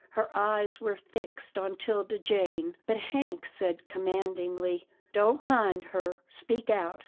Her eyes were fixed on 'Tilda Jane, but Hank said commandingly, " Don't mind her, speak out.